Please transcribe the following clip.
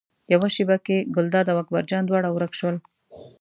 یوه شېبه کې ګلداد او اکبر جان دواړه ورک شول.